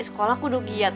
sekolah kudu giat